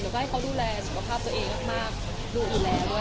แล้วก็ให้เขาดูแลสุขภาพตัวเองมากดูดูแลด้วยอะไรอย่างนี้ค่ะ